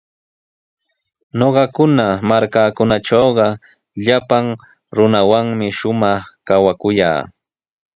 Ñuqakuna markaatrawqa llapan runawanmi shumaq kawakuyaa.